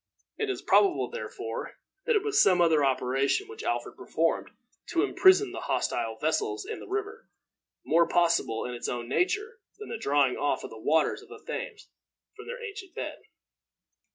It is probable, therefore, that it was some other operation which Alfred performed to imprison the hostile vessels in the river, more possible in its own nature than the drawing off of the waters of the Thames from their ancient bed.